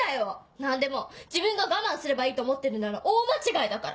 何でも自分が我慢すればいいと思ってるなら大間違いだから！